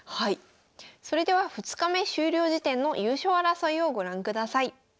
それでは２日目終了時点の優勝争いをご覧ください。